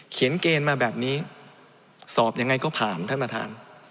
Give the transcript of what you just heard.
เกณฑ์มาแบบนี้สอบยังไงก็ผ่านท่านประธาน